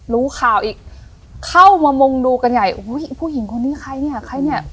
รู้ข่าวอีกเข้ามามุงดูกันใหญ่อุ้ยผู้หญิงคนนี้ใครเนี่ยใครเนี่ย